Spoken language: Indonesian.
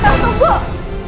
aku tak sembuh